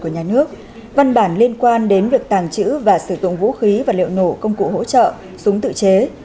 của nhà nước văn bản liên quan đến việc tàng trữ và sử dụng vũ khí và liệu nổ công cụ hỗ trợ súng tự chế